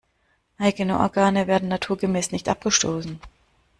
Eigene Organe werden naturgemäß nicht abgestoßen.